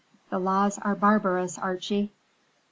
The laws are barbarous, Archie."